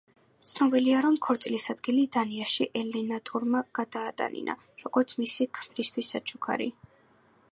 ცნობილია, რომ ქორწილის ადგილი დანიაში ელეანორამ გადაატანინა, როგორც მისი ქმრისთვის საჩუქარი.